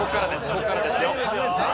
ここからですよ。